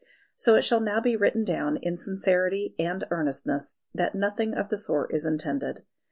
So it shall now be written down in sincerity and earnestness that nothing of the sort is intended.